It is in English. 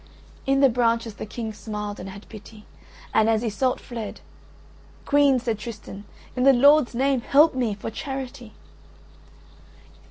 In the branches the King smiled and had pity. And as Iseult fled: "Queen," said Tristan, "in the Lord's name help me, for charity."